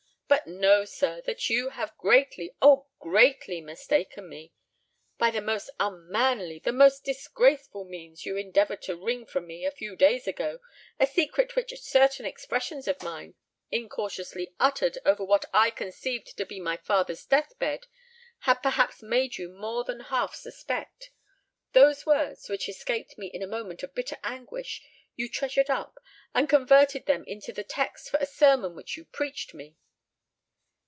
But know, sir, that you have greatly—oh! greatly mistaken me! By the most unmanly—the most disgraceful means you endeavoured to wring from me, a few days ago, a secret which certain expressions of mine, incautiously uttered over what I conceived to be my father's death bed, had perhaps made you more than half suspect. Those words, which escaped me in a moment of bitter anguish, you treasured up, and converted them into the text for a sermon which you preached me."